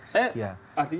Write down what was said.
saya artinya begini